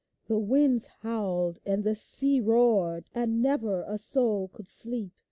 The winds howled, and tlie sea roared. And never a soul could sleep.